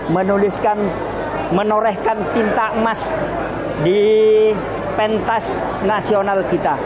menurehkan tinta emas di pentas nasional kita